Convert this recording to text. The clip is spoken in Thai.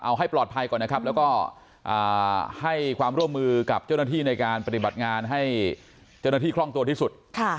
เอาให้ปลอดภัยก่อนนะครับแล้วก็ให้ความร่วมมือกับเจ้าหน้าที่ในการปฏิบัติงานให้เจ้าหน้าที่คล่องตัวที่สุด